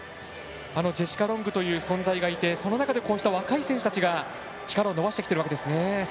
ジェシカ・ロングという存在がいてその中でこうした若い選手たちが力を伸ばしてきているわけですね。